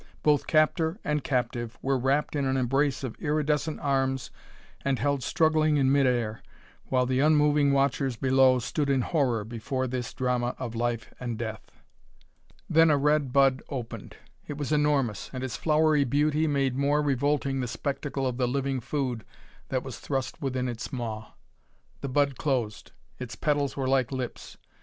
Both captor and captive were wrapped in an embrace of iridescent arms and held struggling in mid air, while the unmoving watchers below stood in horror before this drama of life and death. Then a red bud opened. It was enormous, and its flowery beauty made more revolting the spectacle of the living food that was thrust within its maw. The bud closed. Its petals were like lips....